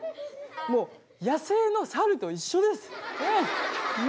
もう野生の猿と一緒です。